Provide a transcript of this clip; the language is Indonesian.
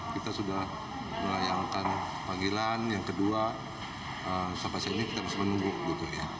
kita sudah melayangkan panggilan yang kedua sampai saat ini kita masih menunggu gitu ya